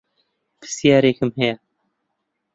پرسیارێکم هەیە